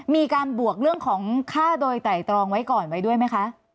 มีการบวกเรื่องของฆ่าโดยไตรตรองไว้ก่อนไว้ด้วยไหมคะ